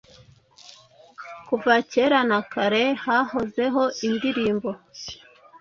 Kuva na kera na kare hahozeho indirimbo ,